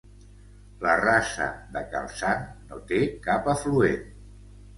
La Rasa de Cal Sant no té cap afluent.